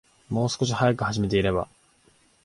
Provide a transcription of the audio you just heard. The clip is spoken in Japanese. もう少し早く始めていれば